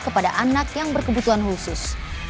kepada anak yang berkebutuhan khusus